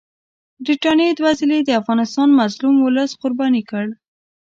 برټانیې دوه ځله د افغانستان مظلوم اولس قرباني کړ.